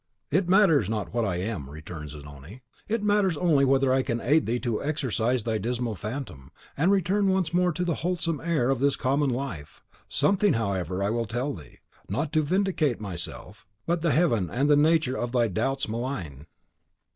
"It matters not what I am," returned Zanoni; "it matters only whether I can aid thee to exorcise thy dismal phantom, and return once more to the wholesome air of this common life. Something, however, will I tell thee, not to vindicate myself, but the Heaven and the Nature that thy doubts malign."